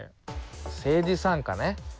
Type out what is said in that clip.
政治参加ね。